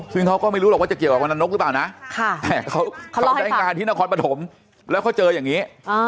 ซึ่งเขาก็ไม่รู้หรอกว่าจะเกี่ยวกับวันนั้นนกหรือเปล่านะแต่เขาได้งานที่นครปฐมแล้วเขาเจออย่างนี้